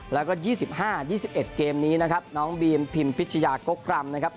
แล้วก็ยี่สิบห้ายี่สิบเอ็ดเกมนี้นะครับน้องบีมพิมพิชยากกร่ำนะครับ